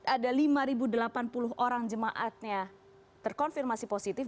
ada lima delapan puluh orang jemaatnya terkonfirmasi positif